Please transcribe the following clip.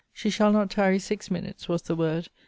She shall not tarry six minutes, was the word.